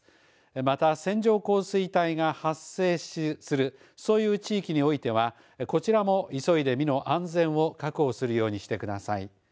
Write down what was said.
また、線状降水帯が発生するそういう地域においてはこちらも急いで身の安全を確保するようにしてください。